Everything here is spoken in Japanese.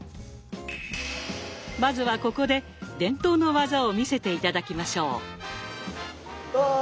まずはここで伝統の技を見せて頂きましょう。